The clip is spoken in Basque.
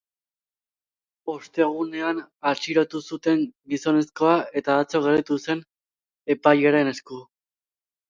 Ostegunean atxilotu zuten gizonezkoa eta atzo gelditu zen epailearen esku.